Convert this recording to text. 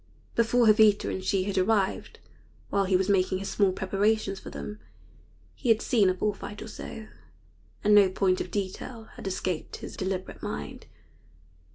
Before Jovita and she had arrived, while he was making his small preparations for them, he had seen a bull fight or so, and no point of detail had escaped his deliberate mind.